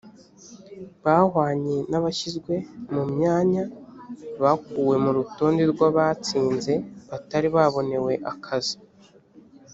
bahwanye n’ abashyizwe mu myanya bakuwe mu rutonde rw abatsinze batari babonewe akazi.